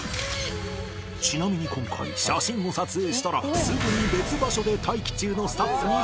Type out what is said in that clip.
ちなみに今回写真を撮影したらすぐに別場所で待機中のスタッフに送信